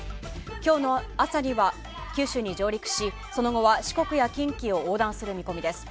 今日の朝には九州に上陸しその後は四国や近畿を横断する見込みです。